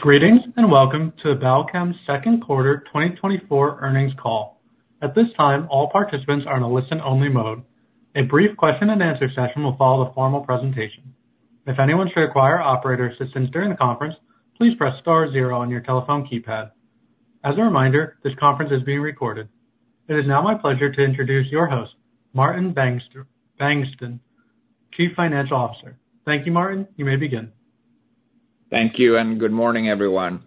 Greetings, and welcome to the Balchem second quarter 2024 earnings call. At this time, all participants are in a listen-only mode. A brief question and answer session will follow the formal presentation. If anyone should require operator assistance during the conference, please press star zero on your telephone keypad. As a reminder, this conference is being recorded. It is now my pleasure to introduce your host, Martin Bengtsson, Chief Financial Officer. Thank you, Martin. You may begin. Thank you, and good morning, everyone.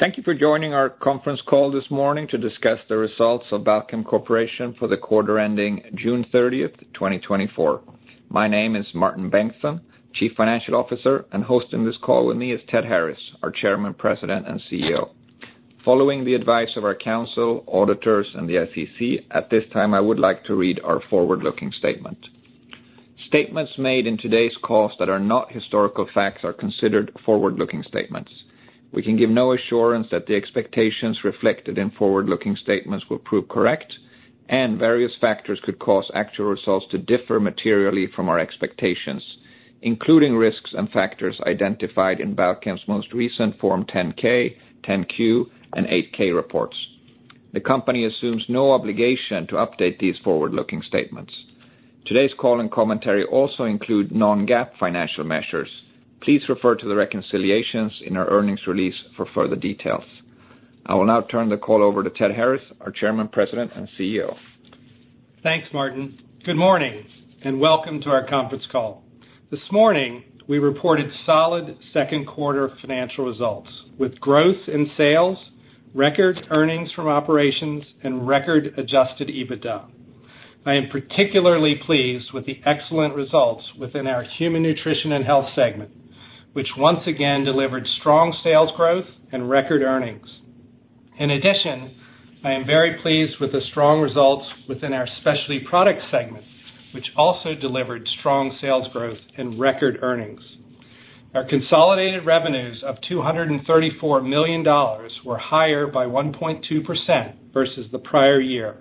Thank you for joining our conference call this morning to discuss the results of Balchem Corporation for the quarter ending June 30, 2024. My name is Martin Bengtsson, Chief Financial Officer, and hosting this call with me is Ted Harris, our Chairman, President, and CEO. Following the advice of our counsel, auditors, and the SEC, at this time, I would like to read our forward-looking statement. Statements made in today's calls that are not historical facts are considered forward-looking statements. We can give no assurance that the expectations reflected in forward-looking statements will prove correct, and various factors could cause actual results to differ materially from our expectations, including risks and factors identified in Balchem's most recent Form 10-K, 10-Q, and 8-K reports. The company assumes no obligation to update these forward-looking statements. Today's call and commentary also include non-GAAP financial measures. Please refer to the reconciliations in our earnings release for further details. I will now turn the call over to Ted Harris, our Chairman, President, and CEO. Thanks, Martin. Good morning, and welcome to our conference call. This morning, we reported solid second quarter financial results, with growth in sales, record earnings from operations, and record adjusted EBITDA. I am particularly pleased with the excellent results within our Human Nutrition and Health segment, which once again delivered strong sales growth and record earnings. In addition, I am very pleased with the strong results within our Specialty Products segment, which also delivered strong sales growth and record earnings. Our consolidated revenues of $234 million were higher by 1.2% versus the prior year,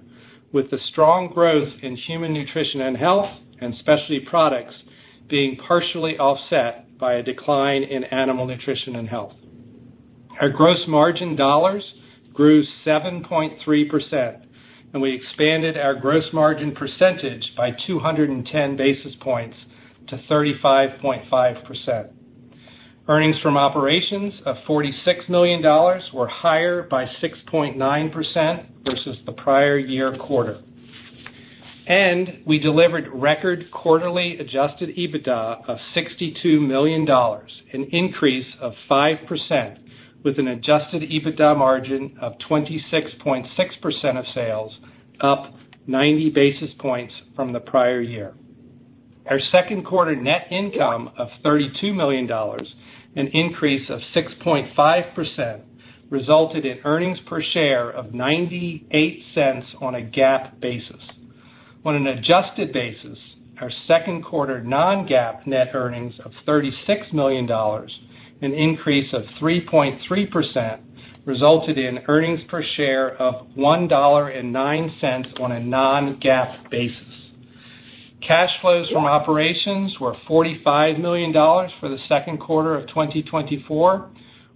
with the strong growth in Human Nutrition and Health and Specialty Products being partially offset by a decline in Animal Nutrition and Health. Our gross margin dollars grew 7.3%, and we expanded our gross margin percentage by 210 basis points to 35.5%. Earnings from operations of $46 million were higher by 6.9% versus the prior-year quarter. We delivered record quarterly Adjusted EBITDA of $62 million, an increase of 5%, with an Adjusted EBITDA margin of 26.6% of sales, up 90 basis points from the prior year. Our second quarter net income of $32 million, an increase of 6.5%, resulted in earnings per share of $0.98 on a GAAP basis. On an adjusted basis, our second quarter non-GAAP net earnings of $36 million, an increase of 3.3%, resulted in earnings per share of $1.09 on a non-GAAP basis. Cash flows from operations were $45 million for the second quarter of 2024,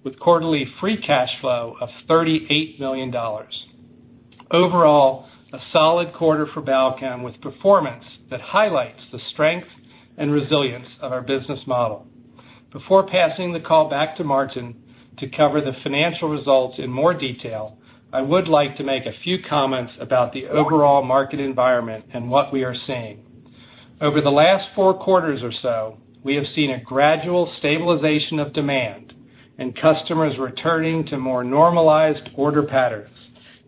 with quarterly free cash flow of $38 million. Overall, a solid quarter for Balchem, with performance that highlights the strength and resilience of our business model. Before passing the call back to Martin to cover the financial results in more detail, I would like to make a few comments about the overall market environment and what we are seeing. Over the last four quarters or so, we have seen a gradual stabilization of demand and customers returning to more normalized order patterns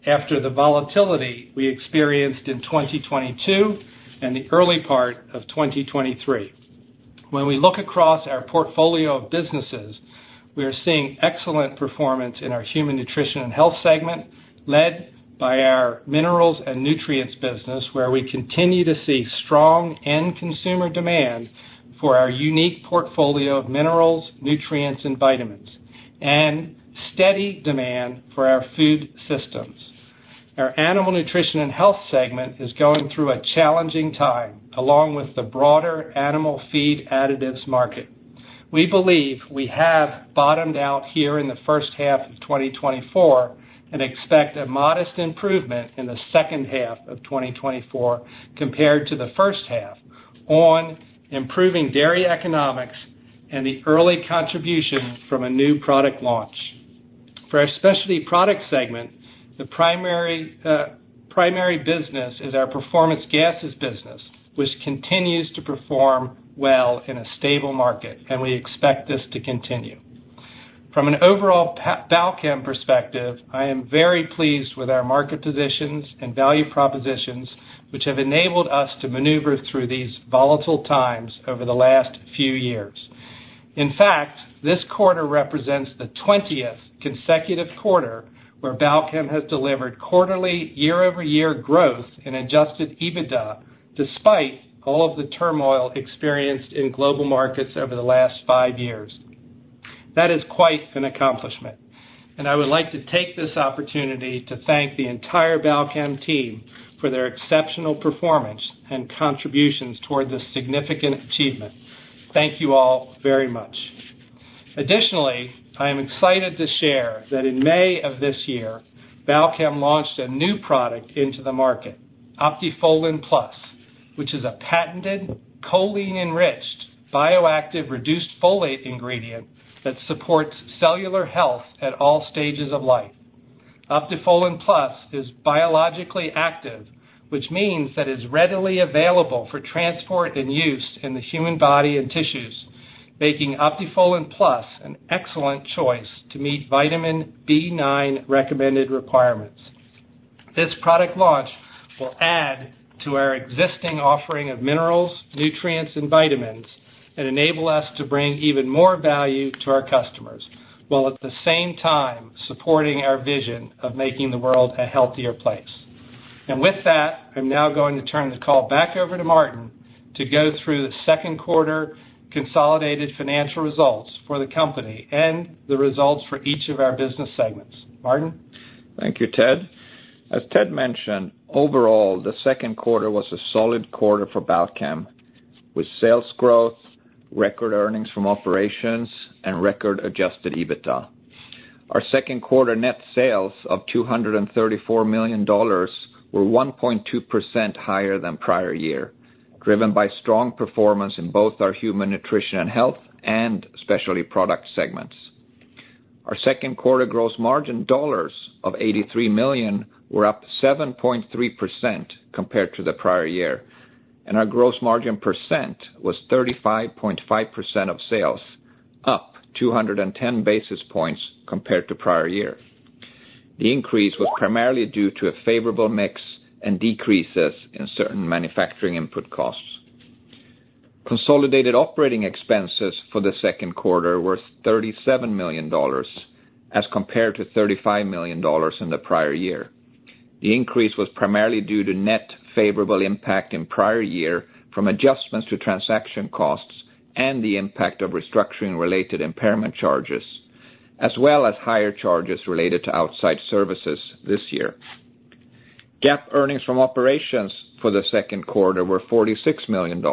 after the volatility we experienced in 2022 and the early part of 2023. When we look across our portfolio of businesses, we are seeing excellent performance in our Human Nutrition and Health segment, led by our minerals and nutrients business, where we continue to see strong end consumer demand for our unique portfolio of minerals, nutrients, and vitamins, and steady demand for our food systems. Our Animal Nutrition and Health segment is going through a challenging time, along with the broader animal feed additives market. We believe we have bottomed out here in the first half of 2024 and expect a modest improvement in the second half of 2024 compared to the first half on improving dairy economics and the early contribution from a new product launch. For our Specialty Products segment, the primary, primary business is our performance gases business, which continues to perform well in a stable market, and we expect this to continue. From an overall Balchem perspective, I am very pleased with our market positions and value propositions, which have enabled us to maneuver through these volatile times over the last few years. In fact, this quarter represents the twentieth consecutive quarter where Balchem has delivered quarterly year-over-year growth in adjusted EBITDA, despite all of the turmoil experienced in global markets over the last five years. That is quite an accomplishment... and I would like to take this opportunity to thank the entire Balchem team for their exceptional performance and contributions toward this significant achievement. Thank you all very much. Additionally, I am excited to share that in May of this year, Balchem launched a new product into the market, Optifolin+, which is a patented, choline-enriched, bioactive, reduced folate ingredient that supports cellular health at all stages of life. Optifolin+ is biologically active, which means that it's readily available for transport and use in the human body and tissues, making Optifolin+ an excellent choice to meet vitamin B9 recommended requirements. This product launch will add to our existing offering of minerals, nutrients, and vitamins, and enable us to bring even more value to our customers, while at the same time, supporting our vision of making the world a healthier place. And with that, I'm now going to turn the call back over to Martin to go through the second quarter consolidated financial results for the company and the results for each of our business segments. Martin? Thank you, Ted. As Ted mentioned, overall, the second quarter was a solid quarter for Balchem, with sales growth, record earnings from operations, and record adjusted EBITDA. Our second quarter net sales of $234 million were 1.2% higher than prior year, driven by strong performance in both our Human Nutrition and Health and Specialty Products segments. Our second quarter gross margin dollars of $83 million were up 7.3% compared to the prior year, and our gross margin percent was 35.5% of sales, up 210 basis points compared to prior year. The increase was primarily due to a favorable mix and decreases in certain manufacturing input costs. Consolidated operating expenses for the second quarter were $37 million, as compared to $35 million in the prior year. The increase was primarily due to net favorable impact in prior year from adjustments to transaction costs and the impact of restructuring-related impairment charges, as well as higher charges related to outside services this year. GAAP earnings from operations for the second quarter were $46 million,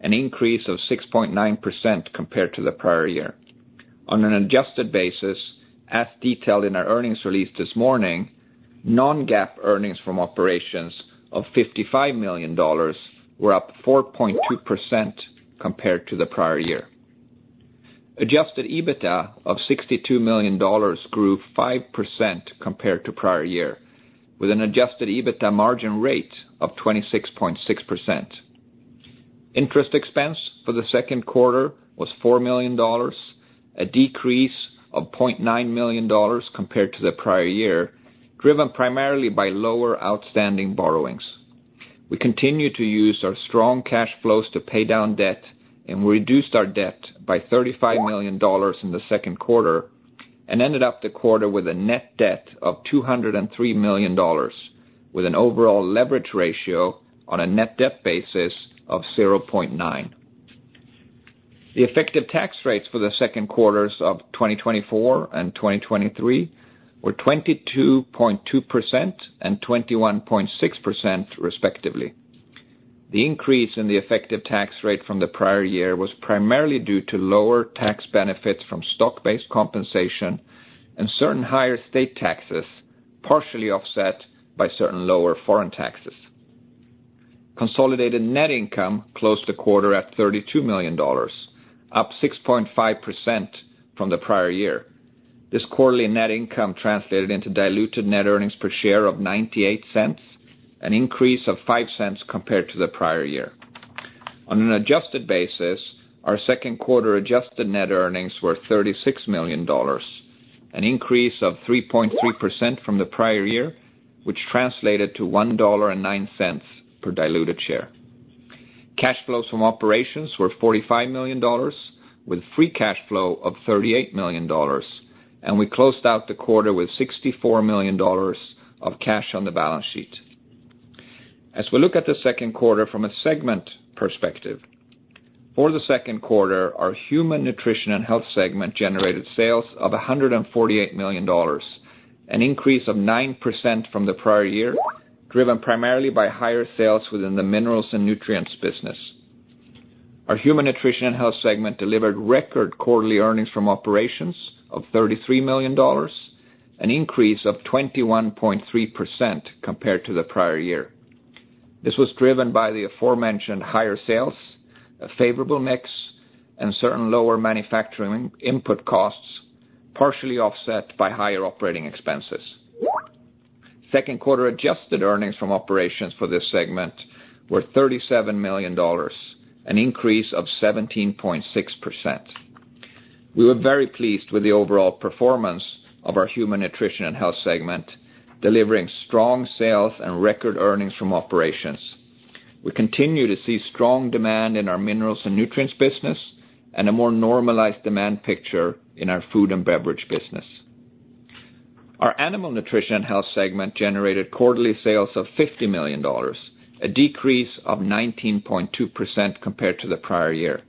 an increase of 6.9% compared to the prior year. On an adjusted basis, as detailed in our earnings release this morning, non-GAAP earnings from operations of $55 million were up 4.2% compared to the prior year. Adjusted EBITDA of $62 million grew 5% compared to prior year, with an adjusted EBITDA margin rate of 26.6%. Interest expense for the second quarter was $4 million, a decrease of $0.9 million compared to the prior year, driven primarily by lower outstanding borrowings. We continue to use our strong cash flows to pay down debt, and we reduced our debt by $35 million in the second quarter and ended up the quarter with a net debt of $203 million, with an overall leverage ratio on a net debt basis of 0.9. The effective tax rates for the second quarters of 2024 and 2023 were 22.2% and 21.6%, respectively. The increase in the effective tax rate from the prior year was primarily due to lower tax benefits from stock-based compensation and certain higher state taxes, partially offset by certain lower foreign taxes. Consolidated net income closed the quarter at $32 million, up 6.5% from the prior year. This quarterly net income translated into diluted net earnings per share of $0.98, an increase of $0.05 compared to the prior year. On an adjusted basis, our second quarter adjusted net earnings were $36 million, an increase of 3.3% from the prior year, which translated to $1.09 per diluted share. Cash flows from operations were $45 million, with free cash flow of $38 million, and we closed out the quarter with $64 million of cash on the balance sheet. As we look at the second quarter from a segment perspective, for the second quarter, our Human Nutrition and Health segment generated sales of $148 million, an increase of 9% from the prior year, driven primarily by higher sales within the minerals and nutrients business. Our Human Nutrition and Health segment delivered record quarterly earnings from operations of $33 million, an increase of 21.3% compared to the prior year. This was driven by the aforementioned higher sales, a favorable mix, and certain lower manufacturing input costs, partially offset by higher operating expenses. Second quarter adjusted earnings from operations for this segment were $37 million, an increase of 17.6%. We were very pleased with the overall performance of our Human Nutrition and Health segment, delivering strong sales and record earnings from operations. We continue to see strong demand in our minerals and nutrients business and a more normalized demand picture in our food and beverage business....Our Animal Nutrition and Health segment generated quarterly sales of $50 million, a decrease of 19.2% compared to the prior year.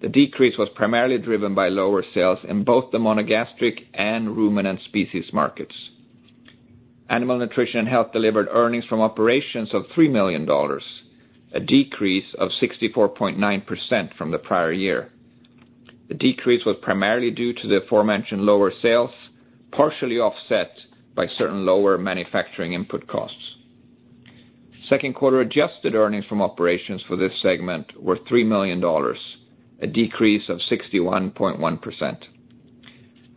The decrease was primarily driven by lower sales in both the monogastric and ruminant species markets. Animal Nutrition and Health delivered earnings from operations of $3 million, a decrease of 64.9% from the prior year. The decrease was primarily due to the aforementioned lower sales, partially offset by certain lower manufacturing input costs. Second quarter adjusted earnings from operations for this segment were $3 million, a decrease of 61.1%.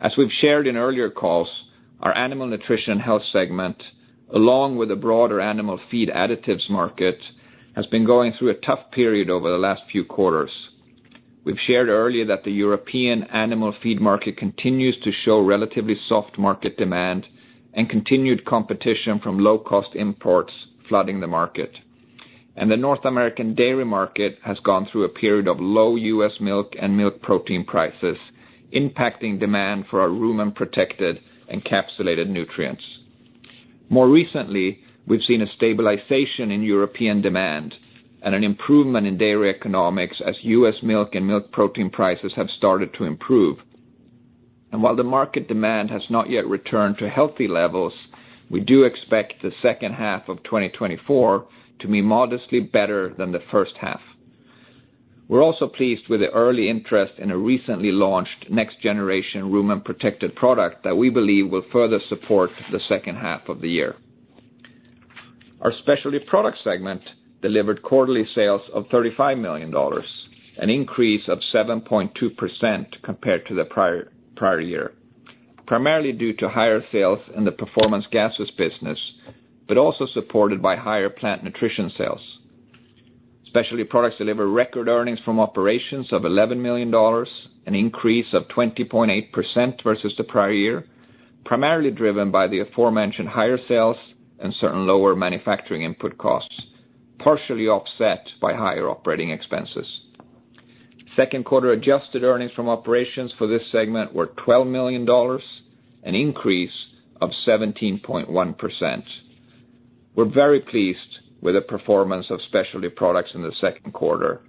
As we've shared in earlier calls, our Animal Nutrition and Health segment, along with the broader animal feed additives market, has been going through a tough period over the last few quarters. We've shared earlier that the European animal feed market continues to show relatively soft market demand and continued competition from low-cost imports flooding the market. The North American dairy market has gone through a period of low U.S. milk and milk protein prices, impacting demand for our rumen-protected encapsulated nutrients. More recently, we've seen a stabilization in European demand and an improvement in dairy economics as U.S. milk and milk protein prices have started to improve. And while the market demand has not yet returned to healthy levels, we do expect the second half of 2024 to be modestly better than the first half. We're also pleased with the early interest in a recently launched next generation rumen-protected product that we believe will further support the second half of the year. Our Specialty Products segment delivered quarterly sales of $35 million, an increase of 7.2% compared to the prior year, primarily due to higher sales in the performance gases business, but also supported by higher plant nutrition sales. Specialty Products deliver record earnings from operations of $11 million, an increase of 20.8% versus the prior year, primarily driven by the aforementioned higher sales and certain lower manufacturing input costs, partially offset by higher operating expenses. Second quarter adjusted earnings from operations for this segment were $12 million, an increase of 17.1%. We're very pleased with the performance of Specialty Products in the second quarter,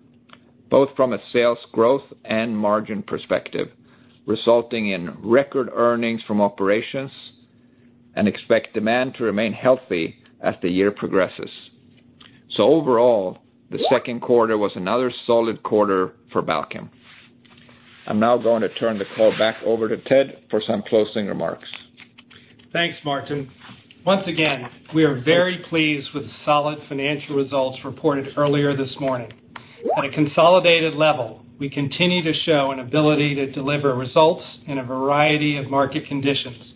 both from a sales growth and margin perspective, resulting in record earnings from operations and expect demand to remain healthy as the year progresses. So overall, the second quarter was another solid quarter for Balchem. I'm now going to turn the call back over to Ted for some closing remarks. Thanks, Martin. Once again, we are very pleased with the solid financial results reported earlier this morning. At a consolidated level, we continue to show an ability to deliver results in a variety of market conditions,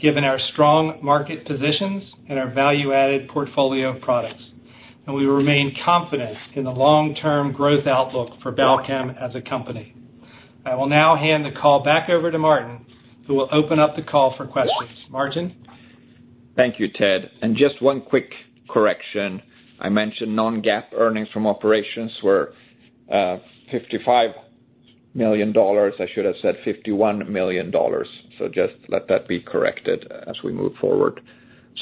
given our strong market positions and our value-added portfolio of products, and we remain confident in the long-term growth outlook for Balchem as a company. I will now hand the call back over to Martin, who will open up the call for questions. Martin? Thank you, Ted. Just one quick correction. I mentioned non-GAAP earnings from operations were $55 million. I should have said $51 million. Just let that be corrected as we move forward.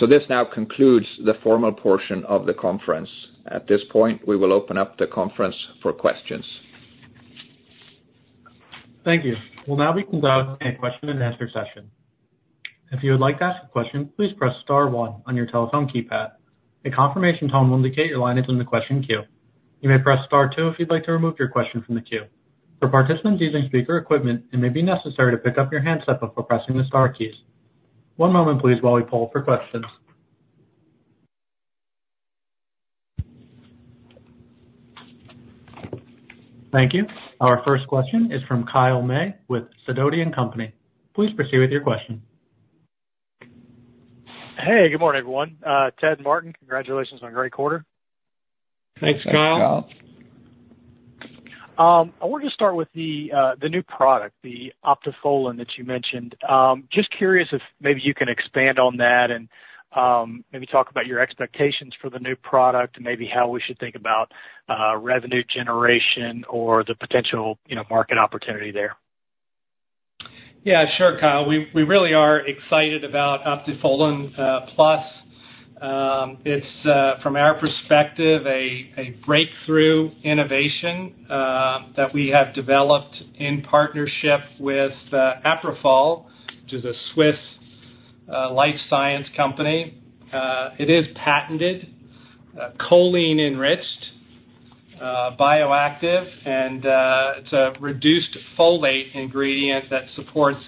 This now concludes the formal portion of the conference. At this point, we will open up the conference for questions. Thank you. We'll now be going to a question and answer session. If you would like to ask a question, please press star one on your telephone keypad. A confirmation tone will indicate your line is in the question queue. You may press star two if you'd like to remove your question from the queue. For participants using speaker equipment, it may be necessary to pick up your handset before pressing the star keys. One moment, please, while we pull for questions. Thank you. Our first question is from Kyle May with Sidoti & Company. Please proceed with your question. Hey, good morning, everyone. Ted, Martin, congratulations on a great quarter. Thanks, Kyle. Thanks, Kyle. I want to start with the new product, the OptiFolin that you mentioned. Just curious if maybe you can expand on that and maybe talk about your expectations for the new product and maybe how we should think about revenue generation or the potential, you know, market opportunity there. Yeah, sure, Kyle. We, we really are excited about Optifolin+. It's from our perspective, a breakthrough innovation that we have developed in partnership with Aprofol, which is a Swiss life science company. It is patented, choline-enriched, bioactive, and it's a reduced folate ingredient that supports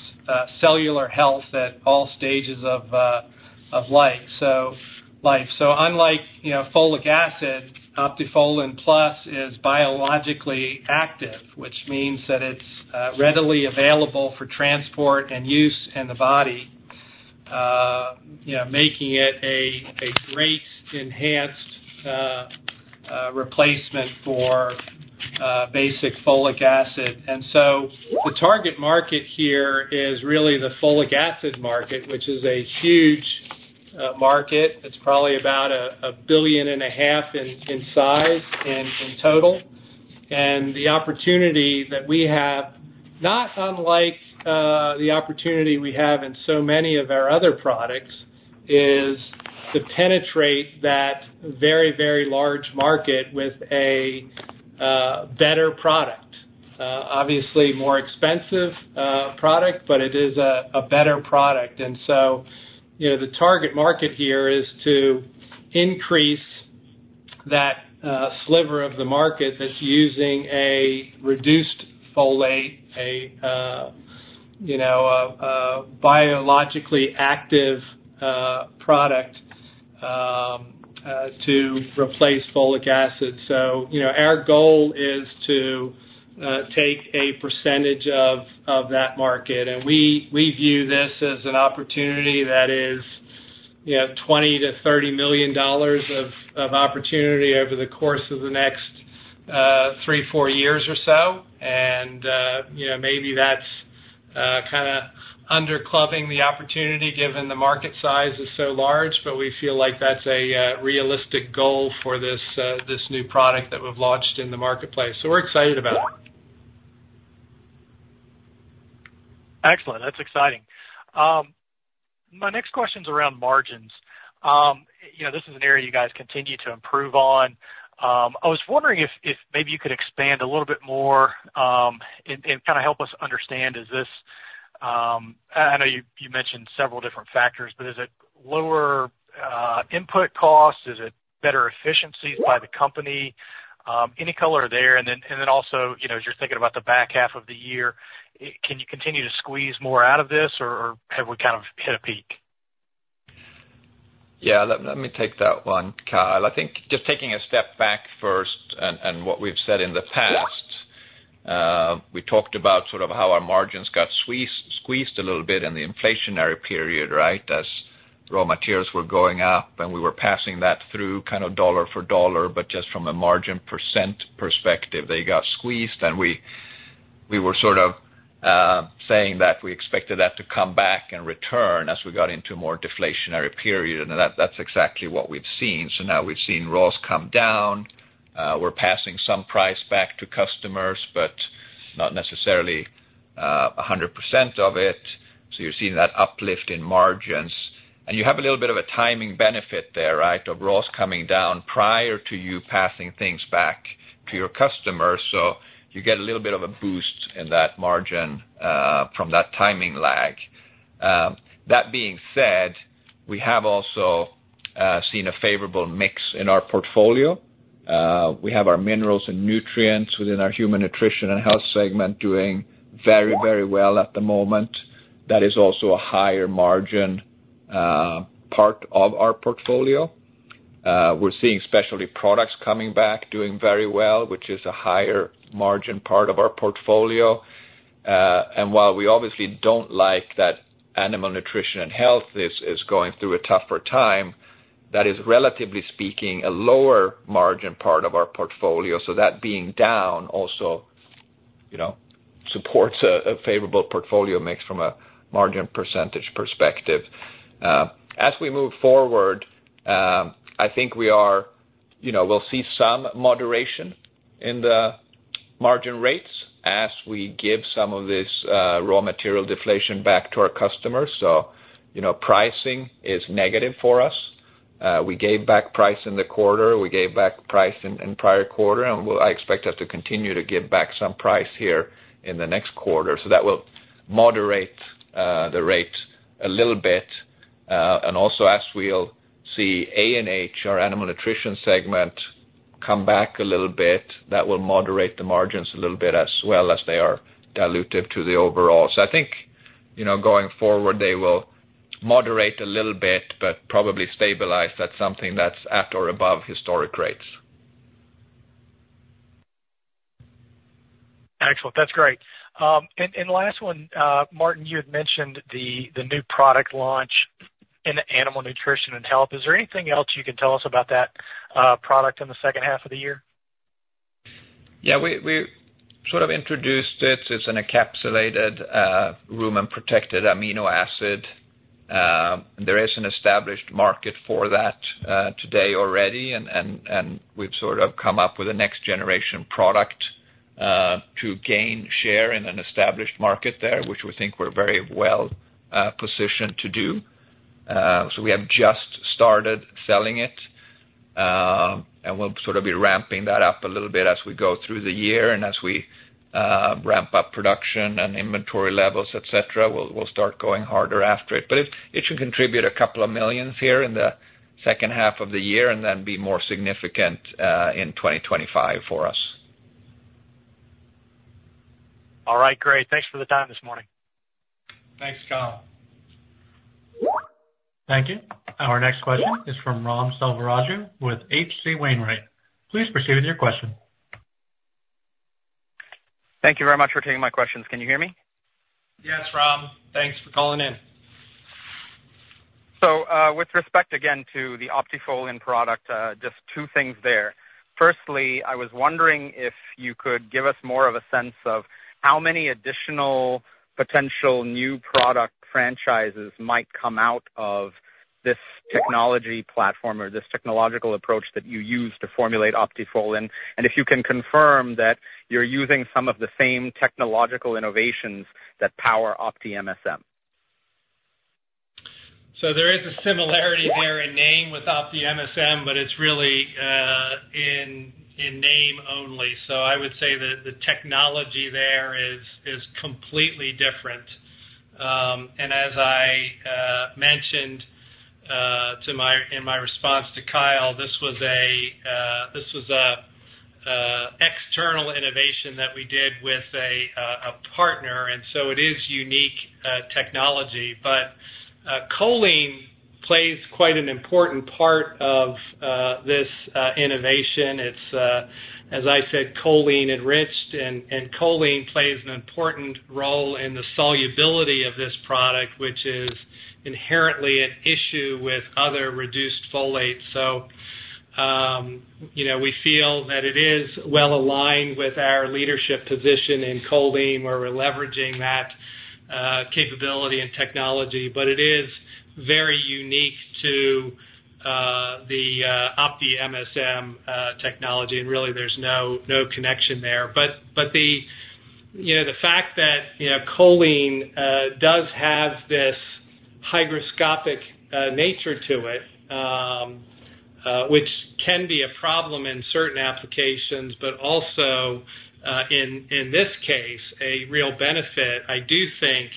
cellular health at all stages of life. So unlike, you know, folic acid, Optifolin+ is biologically active, which means that it's readily available for transport and use in the body, you know, making it a great enhanced replacement for basic folic acid. And so the target market here is really the folic acid market, which is a huge market. It's probably about $1.5 billion in size-... The opportunity that we have, not unlike, the opportunity we have in so many of our other products, is to penetrate that very, very large market with a better product. Obviously more expensive, product, but it is a better product. And so, you know, the target market here is to increase that, sliver of the market that's using a reduced folate, a, you know, a biologically active, product, to replace folic acid. So, you know, our goal is to, take a percentage of that market, and we view this as an opportunity that is, you know, $20-$30 million of opportunity over the course of the next, 3, 4 years or so. You know, maybe that's kind of underclubbing the opportunity, given the market size is so large, but we feel like that's a realistic goal for this this new product that we've launched in the marketplace, so we're excited about it. Excellent. That's exciting. My next question's around margins. You know, this is an area you guys continue to improve on. I was wondering if, if maybe you could expand a little bit more, and, and kind of help us understand, is this... I know you mentioned several different factors, but is it lower input costs? Is it better efficiencies by the company? Any color there, and then, and then also, you know, as you're thinking about the back half of the year, can you continue to squeeze more out of this, or have we kind of hit a peak? Yeah, let me take that one, Kyle. I think just taking a step back first and what we've said in the past, we talked about sort of how our margins got squeezed a little bit in the inflationary period, right? As raw materials were going up, and we were passing that through, kind of, dollar for dollar, but just from a margin percent perspective, they got squeezed. And we were sort of saying that we expected that to come back and return as we got into a more deflationary period, and that's exactly what we've seen. So now we've seen raws come down. We're passing some price back to customers, but not necessarily a hundred percent of it. So you're seeing that uplift in margins, and you have a little bit of a timing benefit there, right, of raws coming down prior to you passing things back to your customers. So you get a little bit of a boost in that margin from that timing lag. That being said, we have also seen a favorable mix in our portfolio. We have our minerals and nutrients within our Human Nutrition and Health segment doing very, very well at the moment. That is also a higher margin part of our portfolio. We're seeing Specialty Products coming back, doing very well, which is a higher margin part of our portfolio. And while we obviously don't like that Animal Nutrition and Health is going through a tougher time, that is, relatively speaking, a lower margin part of our portfolio. So that being down also, you know, supports a, a favorable portfolio mix from a margin percentage perspective. As we move forward, I think we are... you know, we'll see some moderation in the margin rates as we give some of this, raw material deflation back to our customers. So, you know, pricing is negative for us. We gave back price in the quarter, we gave back price in prior quarter, and we'll-- I expect us to continue to give back some price here in the next quarter. So that will moderate the rate a little bit. And also, as we'll see ANH, our animal nutrition segment, come back a little bit, that will moderate the margins a little bit as well, as they are dilutive to the overall. I think, you know, going forward, they will moderate a little bit, but probably stabilize at something that's at or above historic rates. Excellent. That's great. And last one, Martin, you had mentioned the new product launch in Animal Nutrition and Health. Is there anything else you can tell us about that product in the second half of the year? Yeah, we sort of introduced it. It's an encapsulated, rumen-protected amino acid. There is an established market for that today already, and we've sort of come up with a next generation product to gain share in an established market there, which we think we're very well positioned to do. So we have just started selling it, and we'll sort of be ramping that up a little bit as we go through the year and as we ramp up production and inventory levels, et cetera, we'll start going harder after it. But it should contribute a couple of millions here in the second half of the year, and then be more significant in 2025 for us. All right, great. Thanks for the time this morning. Thanks, Kyle. Thank you. Our next question is from Ram Selvaraju with H.C. Wainwright. Please proceed with your question. Thank you very much for taking my questions. Can you hear me? Yes, Ram. Thanks for calling in. So, with respect again to the OptiFolin product, just two things there. Firstly, I was wondering if you could give us more of a sense of how many additional potential new product franchises might come out of this technology platform or this technological approach that you use to formulate OptiFolin, and if you can confirm that you're using some of the same technological innovations that power OptiMSM? So there is a similarity there in name with OptiMSM, but it's really, in name only. So I would say that the technology there is completely different. And as I mentioned, in my response to Kyle, this was an external innovation that we did with a partner, and so it is unique technology. But, choline plays quite an important part of this innovation. It's, as I said, choline-enriched, and choline plays an important role in the solubility of this product, which is inherently an issue with other reduced folates. So, you know, we feel that it is well aligned with our leadership position in choline, where we're leveraging that capability and technology. But it is very unique to the OptiMSM technology, and really, there's no connection there. But the fact that choline does have this hygroscopic nature to it, which can be a problem in certain applications, but also in this case, a real benefit. I do think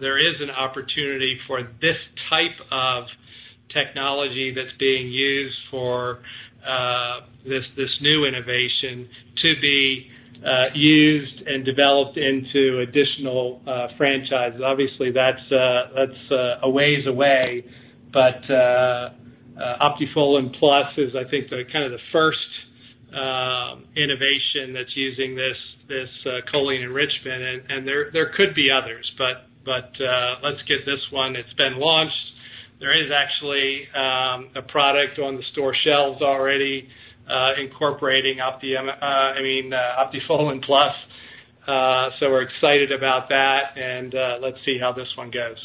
there is an opportunity for this type of technology that's being used for this new innovation to be used and developed into additional franchises. Obviously, that's a ways away, but Optifolin+ is, I think, the kind of the first innovation that's using this choline enrichment. And there could be others, but let's get this one. It's been launched. There is actually a product on the store shelves already incorporating Optifolin+. So we're excited about that, and let's see how this one goes.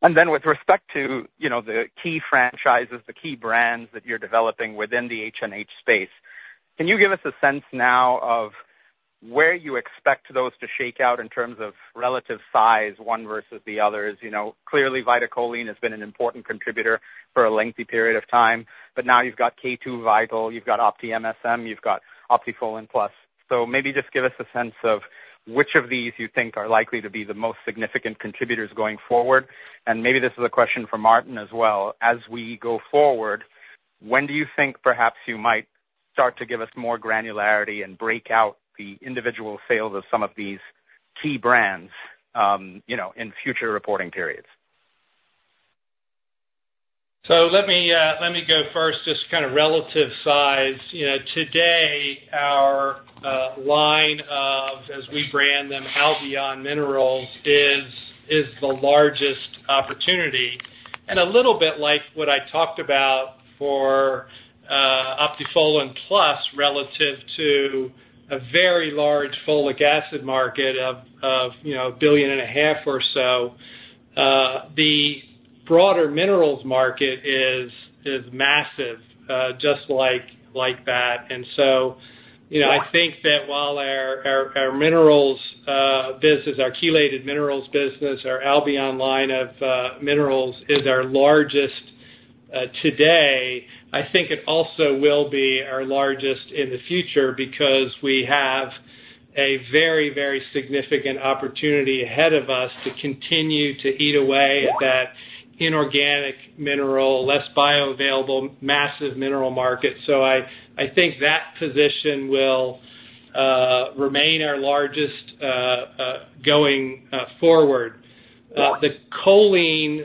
And then with respect to, you know, the key franchises, the key brands that you're developing within the HNH space, can you give us a sense now of where you expect those to shake out in terms of relative size, one versus the others? You know, clearly, VitaCholine has been an important contributor for a lengthy period of time, but now you've got K2VITAL, you've got OptiMSM, you've got Optifolin+. So maybe just give us a sense of which of these you think are likely to be the most significant contributors going forward. And maybe this is a question for Martin as well: As we go forward, when do you think perhaps you might start to give us more granularity and break out the individual sales of some of these key brands, you know, in future reporting periods? So let me, let me go first, just kind of relative size. You know, today, our line of, as we brand them, Albion Minerals is, is the largest opportunity. And a little bit like what I talked about for, Optifolin+, relative to a very large folic acid market of, of, you know, $1.5 billion or so, the broader minerals market is, is massive, just like, like that. And so, you know, I think that while our, our, our minerals business, our chelated minerals business, our Albion line of, minerals is our largest, today, I think it also will be our largest in the future, because we have a very, very significant opportunity ahead of us to continue to eat away at that inorganic mineral, less bioavailable, massive mineral market. So I think that position will remain our largest going forward. The choline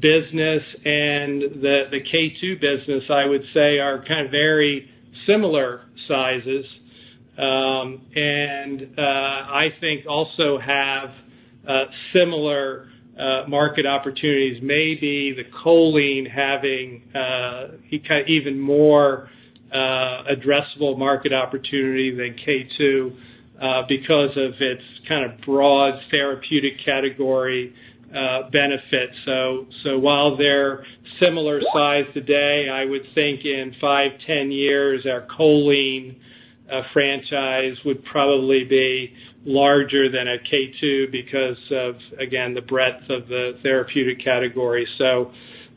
business and the K2 business, I would say, are kind of very similar sizes, and I think also have similar market opportunities. Maybe the choline having even more addressable market opportunity than K2 because of its kind of broad therapeutic category benefit. So while they're similar size today, I would think in 5-10 years, our choline franchise would probably be larger than a K2 because of, again, the breadth of the therapeutic category. So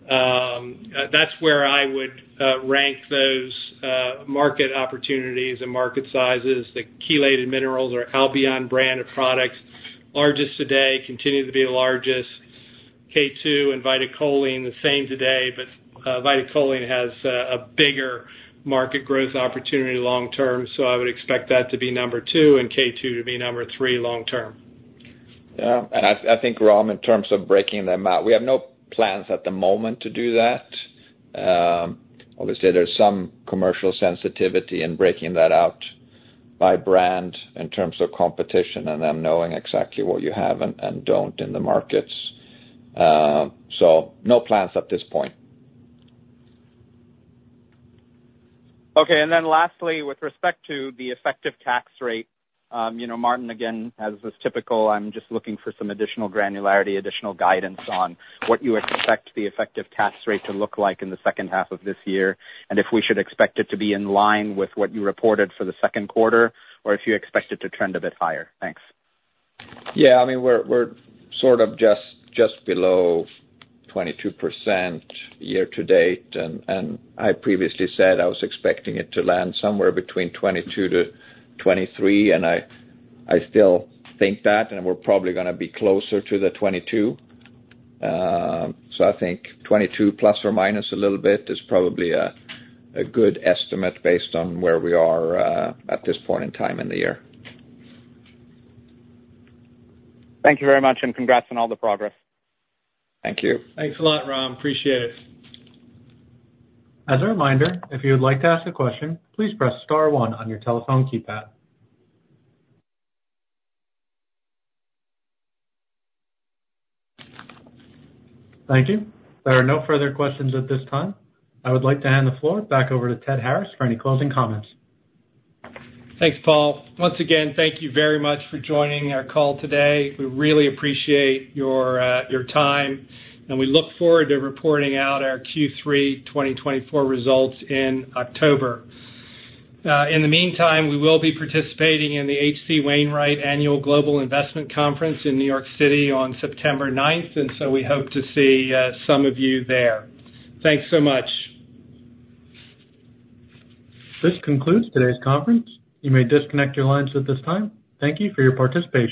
that's where I would rank those market opportunities and market sizes. The chelated minerals or Albion brand of products, largest today, continue to be the largest. K2 and VitaCholine, the same today, but VitaCholine has a bigger market growth opportunity long term, so I would expect that to be number two and K2 to be number three long term. Yeah, and I, I think, Ram, in terms of breaking them out, we have no plans at the moment to do that. Obviously, there's some commercial sensitivity in breaking that out by brand in terms of competition and them knowing exactly what you have and, and don't in the markets. So no plans at this point. Okay, and then lastly, with respect to the effective tax rate, you know, Martin, again, as is typical, I'm just looking for some additional granularity, additional guidance on what you expect the effective tax rate to look like in the second half of this year, and if we should expect it to be in line with what you reported for the second quarter, or if you expect it to trend a bit higher? Thanks. Yeah, I mean, we're sort of just below 22% year to date, and I previously said I was expecting it to land somewhere between 22%-23%, and I still think that, and we're probably gonna be closer to the 22%. So I think 22%, plus or minus a little bit, is probably a good estimate based on where we are at this point in time in the year. Thank you very much, and congrats on all the progress. Thank you. Thanks a lot, Ram. Appreciate it. As a reminder, if you would like to ask a question, please press star one on your telephone keypad. Thank you. There are no further questions at this time. I would like to hand the floor back over to Ted Harris for any closing comments. Thanks, Paul. Once again, thank you very much for joining our call today. We really appreciate your, your time, and we look forward to reporting out our Q3 2024 results in October. In the meantime, we will be participating in the H.C. Wainwright Annual Global Investment Conference in New York City on September 9th, and so we hope to see some of you there. Thanks so much. This concludes today's conference. You may disconnect your lines at this time. Thank you for your participation.